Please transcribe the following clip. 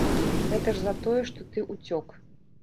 Гэта ж за тое, што ты ўцёк.